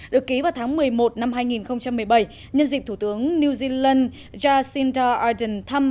được ký vào tháng một mươi một năm hai nghìn một mươi bảy nhân dịp thủ tướng new zealand jacinda ardern thăm